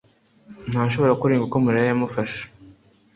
ntashobora kurenga uko Mariya yamufashe